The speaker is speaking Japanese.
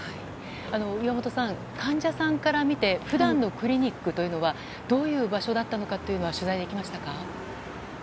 岩本さん、患者さんから見て普段のクリニックというのはどういう場所だったのか取材できましたか？